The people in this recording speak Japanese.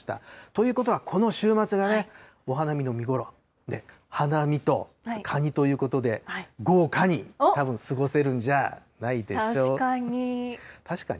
ということはこの週末がね、お花見の見頃で、花見とカニということで、ごうカニ、たぶん過ごせるんじゃないでしょうか。